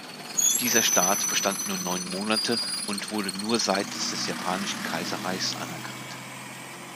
Dieser Staat bestand nur neun Monate und wurde nur seitens des Japanischen Kaiserreichs anerkannt.